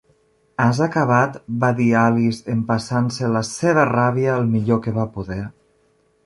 "Has acabat?", va dir Alice empassant-se la seva ràbia el millor que va poder.